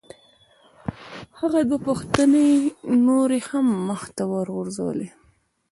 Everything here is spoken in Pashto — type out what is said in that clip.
هغه دوه پوښتنې نورې هم مخ ته وغورځولې.